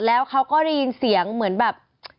แล้วเขาก็ได้ยินเสียงเหมือนแบบ